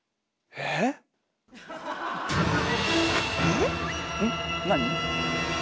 えっ何？